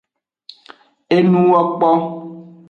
Enuwokpo.